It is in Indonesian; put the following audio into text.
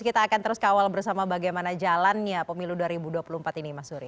kita akan terus kawal bersama bagaimana jalannya pemilu dua ribu dua puluh empat ini mas suri